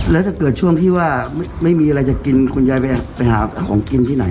แล้วถ้าเกิดช่วงที่ว่าไม่มีอะไรจะกินคุณยายไปหาของกินที่ไหน